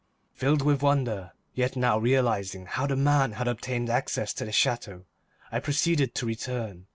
Filled with wonder, yet now realizing how the man had obtained access to the chateau, I proceeded to return.